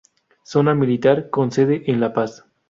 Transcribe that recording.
Zona Militar, con sede en La Paz.